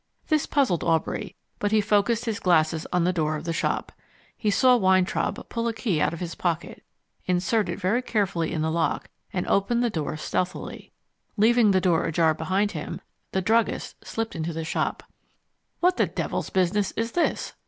This puzzled Aubrey, but he focussed his glasses on the door of the shop. He saw Weintraub pull a key out of his pocket, insert it very carefully in the lock, and open the door stealthily. Leaving the door ajar behind him, the druggist slipped into the shop. "What devil's business is this?"